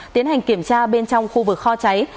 tiến hành kiểm tra bên trong khu vực kho cháy